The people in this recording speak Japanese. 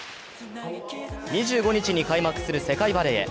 ２５日に開幕する世界バレーへ。